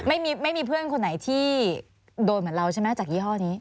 ไม่มีไม่มีเพื่อนคนไหนที่โดนเหมือนเราใช่ไหมจากยี่ห้อนี้